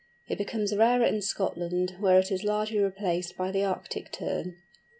It becomes rarer in Scotland, where it is largely replaced by the Arctic Tern.